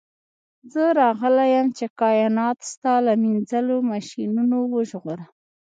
زه راغلی یم چې کائنات ستا له مینځلو ماشینونو وژغورم